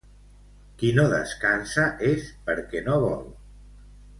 Qui no descansa és perquè no vol.